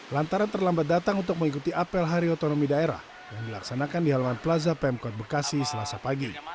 lantaran terlambat datang untuk mengikuti apel hari otonomi daerah yang dilaksanakan di halaman plaza pemkot bekasi selasa pagi